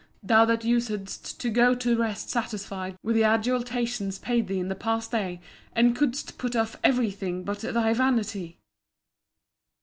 Thou that usedst to go to rest satisfied with the adulations paid thee in the past day, and couldst put off every thing but thy vanity!